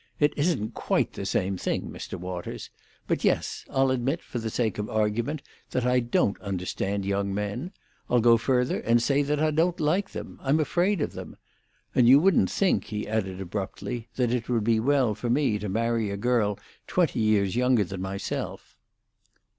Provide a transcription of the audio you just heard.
"It isn't quite the same thing, Mr. Waters. But yes; I'll admit, for the sake of argument, that I don't understand young men. I'll go further, and say that I don't like them; I'm afraid of them. And you wouldn't think," he added abruptly, "that it would be well for me to marry a girl twenty years younger than myself."